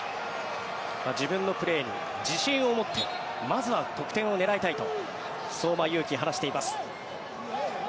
自分のプレーに自信を持ってまずは得点を狙いたいと相馬勇紀、話しています。